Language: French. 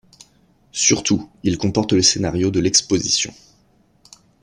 Surtout, il comporte le scénario de l'exposition.